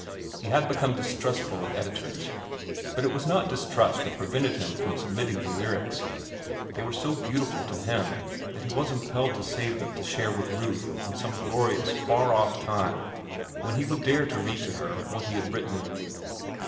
He had become distrustful of editors. But it was not distrust that prevented him from submitting the "Lyrics." They were so beautiful to him that he was impelled to save them to share with Ruth in some glorious, far off time when he would dare to read to her what he had written.